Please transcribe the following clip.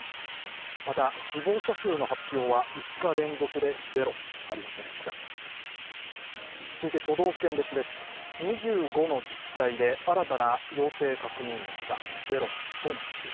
また、死亡者数の発表は５日連続でゼロ、ありませんでした。